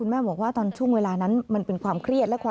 ไม่ใช่ค่ะ